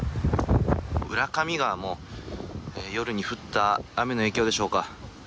浦上川も夜に降った雨の影響でしょうか。